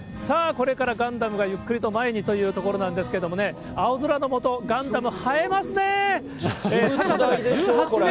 これからガンダムがゆっくりと前にというところなんですけどもね、青空の下、ガンダム、映えますね。